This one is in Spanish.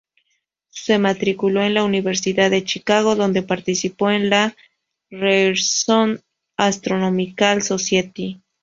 Se matriculó en la Universidad de Chicago, donde participó en la Ryerson Astronomical Society.